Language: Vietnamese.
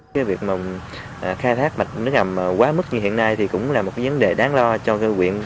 cái việc mà khai thác mạch nước ngầm quá mức như hiện nay thì cũng là một cái vấn đề đáng lo cho cái quyện